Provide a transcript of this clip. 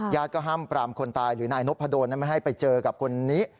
ห้ามปรามคนตายหรือนายนพดลไม่ให้ไปเจอกับคนนี้